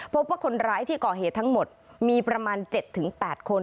พบว่าคนร้ายที่ก่อเหตุทั้งหมดมีประมาณ๗๘คน